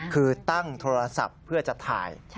คือตั้งโทรศัพท์เพื่อจะถ่าย